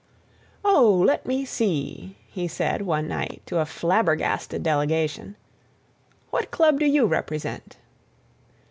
"Oh, let me see—" he said one night to a flabbergasted delegation, "what club do you represent?"